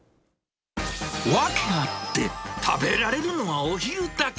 訳あって食べられるのはお昼だけ。